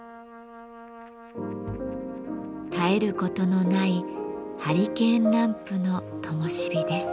絶えることのないハリケーンランプのともしびです。